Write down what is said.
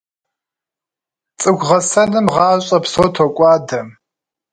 ЦӀыху гъэсэным гъащӀэ псо токӀуадэ.